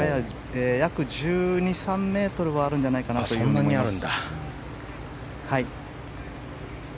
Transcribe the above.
約１２１３ｍはあるんじゃないかなと思います。